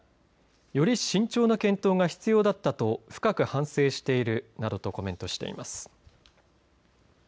より慎重な検討が必要だったと深く反省しているなどとコメントしています。